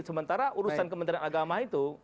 sementara urusan kementerian agama itu